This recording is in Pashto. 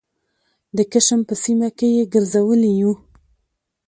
د کشم په سیمه کې یې ګرځولي یوو